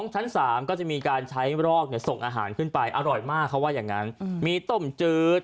ชั้น๓ก็จะมีการใช้รอกส่งอาหารขึ้นไปอร่อยมากเขาว่าอย่างนั้นมีต้มจืด